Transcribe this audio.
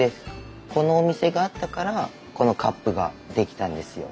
このお店があったからこのカップが出来たんですよ。